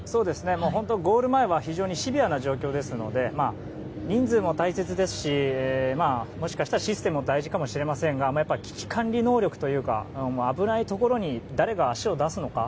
本当、ゴール前は非常にシビアな状況ですので人数も大切ですしもしかしたらシステムも大事かもしれませんがやっぱり危機管理能力というか危ないところに誰が足を出すのか。